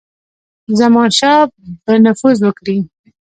زمانشاه به نفوذ وکړي.